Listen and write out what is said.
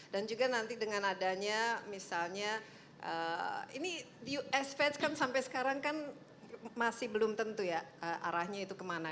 dan juga nanti dengan adanya misalnya ini us fed kan sampai sekarang kan masih belum tentu ya arahnya itu kemana